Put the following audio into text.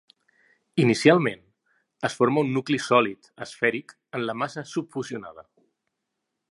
Inicialment, es forma un nucli sòlid esfèric en la massa subfusionada.